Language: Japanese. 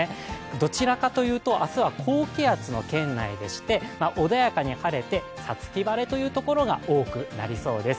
どちらかというと、明日は高気圧の圏内でして穏やかに晴れて、五月晴れというところが多くなりそうです。